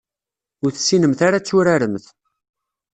Ur tessinemt ara ad turaremt.